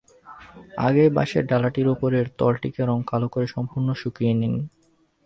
আগেই বাঁশের ডালাটির ওপরের তলটিকে কালো রং করে সম্পূর্ণ শুকিয়ে নিন।